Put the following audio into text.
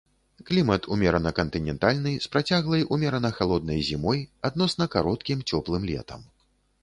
Клімат умерана кантынентальны з працяглай умерана халоднай зімой, адносна кароткім цёплым летам.